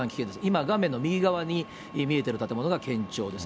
今、画面の右側に見えてる建物が県庁です。